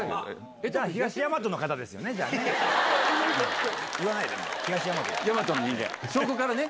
じゃあ、東大和の方ですよね、じゃあね。